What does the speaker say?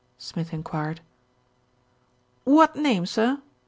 Smith enquired. "What name, sir?"